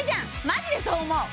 マジでそう思う！